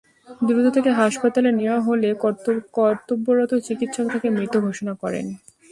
দ্রুত তাকে হাসপাতালে নেওয়া হলে কর্তব্যরত চিকিৎসক তাকে মৃত ঘোষণা করেন।